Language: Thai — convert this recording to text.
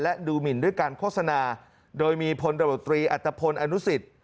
และดูหมินด้วยการโฆษณาโดยมีพลตำรวจตรีอัตภพลอนุสิต